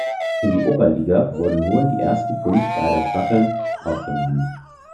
In die Oberliga wurden nur die ersten Fünf beider Staffeln aufgenommen.